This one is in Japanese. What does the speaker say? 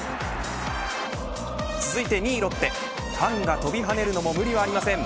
続いて２位ロッテファンが飛び跳ねるのも無理はありません。